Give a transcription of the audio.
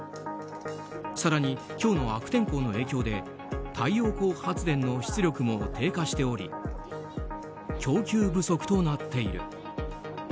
更に、今日の悪天候の影響で太陽光発電の出力も低下しており供給不足となっている。